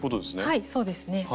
はいそうですね。